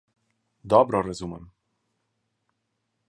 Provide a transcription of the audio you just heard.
Dobro razumem.